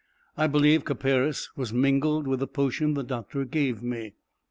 I believe copperas was mingled with the potion the doctor gave me.